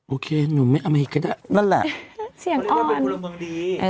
โอเคหนูไม่อำเมฆกันนะนั่นแหละเพราะนี่ก็เป็นพวกเราเมืองดี